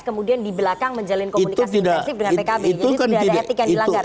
kemudian di belakang menjalin komunikasi intensif dengan pkb